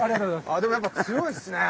ああでもやっぱ強いっすね！